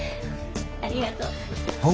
ありがとう。